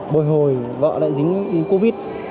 bồi hồi vợ lại dính covid